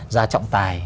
ra trọng tài